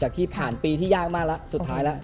ที่ผ่านปีที่ยากมากแล้วสุดท้ายแล้ว